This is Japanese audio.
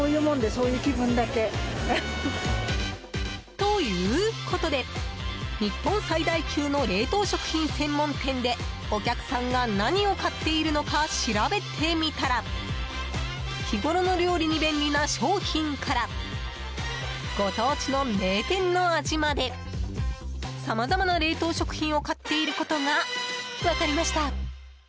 ということで日本最大級の冷凍食品専門店でお客さんが何を買っているのかを調べてみたら日ごろの料理に便利な商品からご当地の名店の味までさまざまな冷凍食品を買っていることが分かりました。